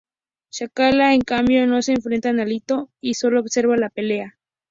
Sayaka, en cambio, no se enfrenta a Ittō y solo observa la pelea.